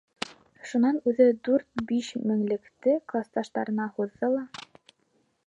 Шунан үҙе дүрт биш меңлекте класташына һуҙҙы ла: